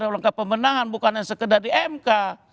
dalam kepemenangan bukan sekedar di mk